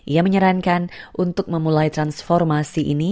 ia menyarankan untuk memulai transformasi ini